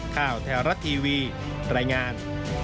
ข่าวแถวรัฐทีวีรายงาน